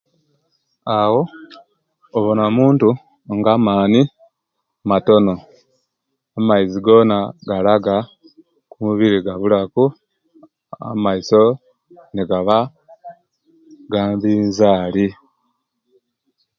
Awo obona muntu nga amani matono amaizi gona galaga omubiri gabulaku na amaiso nigaba gabinzali